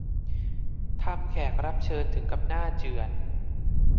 ทำแขกรับเชิญถึงกับหน้าเจื่อน